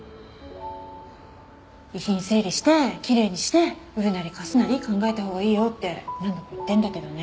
遺品整理してきれいにして売るなり貸すなり考えたほうがいいよって何度も言ってるんだけどね。